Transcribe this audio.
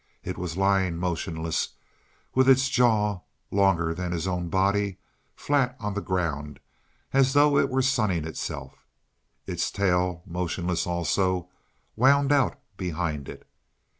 It was lying motionless, with its jaw, longer than his own body, flat on the ground as though it were sunning itself. Its tail, motionless also, wound out behind it.